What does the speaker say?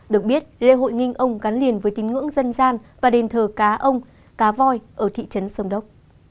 được biết lễ hội nginh ông gắn liền với tín ngưỡng dân gian và đền thờ cá ông cá voi ở thị trấn sông đốc